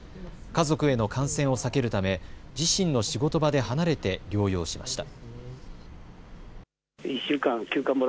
家族への感染を避けるため自身の仕事場で離れて療養しました。